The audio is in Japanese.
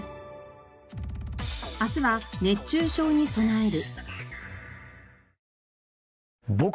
明日は熱中症に備える。